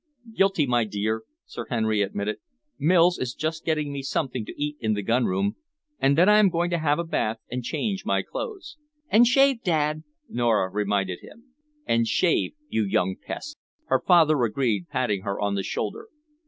"Guilty, my dear," Sir Henry admitted. "Mills is just getting me something to eat in the gun room, and then I am going to have a bath and change my clothes." "And shave, Dad," Nora reminded him. "And shave, you young pest," her father agreed, patting her on the shoulder.